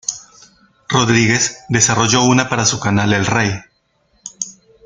Rodriguez desarrolló una para su canal El Rey.